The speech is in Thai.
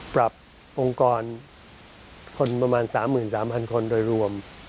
ปรับองค์กรคนประมาณ๓๓๐๐คนโดยรวม